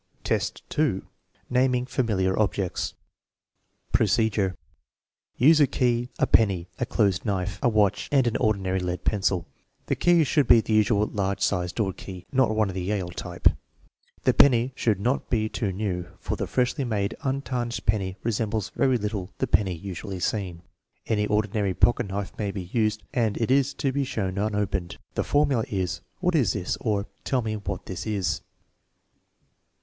ffl, 2. Naming familiar objects Procedure. Use a key, a penny, a closed knife, a watch, and an ordinary lead pencil. The key should be the usual large sized doorkey, not one of the Yale type. The penny should not be too new, for the freshly made, untarnished penny resembles very little the penny usually seen. Any ordinary pocket knife may be used, and it is to be shown unopened. The formula is, " What is this ?" or, " Tell me what this is."